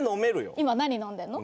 今何飲んでるの？